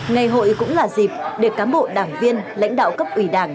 ngày hội cũng là dịp để cán bộ đảng viên lãnh đạo cấp ủy đảng